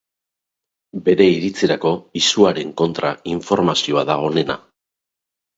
Bere iritzirako, izuaren kontra informazioa da onena.